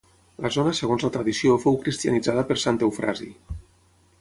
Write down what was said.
La zona segons la tradició fou cristianitzada per Sant Eufrasi.